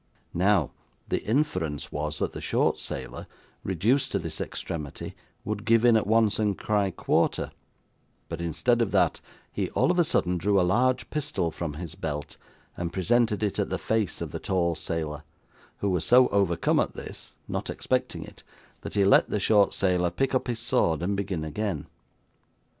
Now, the inference was, that the short sailor, reduced to this extremity, would give in at once and cry quarter, but, instead of that, he all of a sudden drew a large pistol from his belt and presented it at the face of the tall sailor, who was so overcome at this (not expecting it) that he let the short sailor pick up his sword and begin again.